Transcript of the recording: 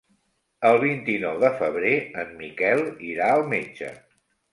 El vint-i-nou de febrer en Miquel irà al metge.